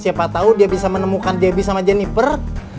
siapa tahu dia bisa menemukan debbie sama jenniper